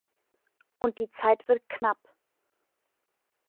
Und die Zeit wird knapp.